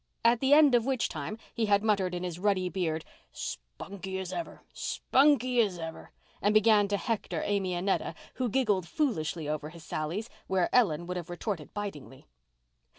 At the end of which time he had muttered in his ruddy beard—"spunky as ever—spunky as ever"—and began to hector Amy Annetta, who giggled foolishly over his sallies where Ellen would have retorted bitingly.